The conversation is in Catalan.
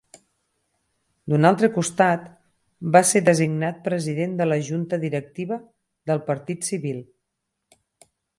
D'un altre costat, va ser designat president de la junta directiva del Partit Civil.